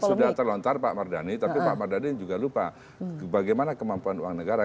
sudah terlontar pak mardhani tapi pak mardani juga lupa bagaimana kemampuan uang negara